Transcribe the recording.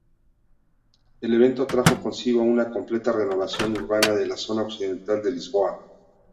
El evento trajo consigo una completa renovación urbana de la zona occidental de Lisboa.